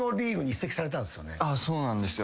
そうなんですよ。